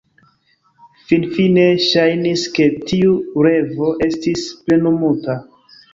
Finfine ŝajnis ke tiu revo estis plenumota.